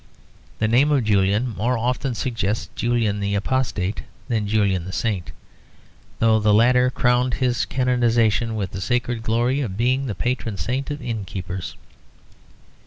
The name of Julian more often suggests Julian the Apostate than Julian the Saint; though the latter crowned his canonisation with the sacred glory of being the patron saint of inn keepers.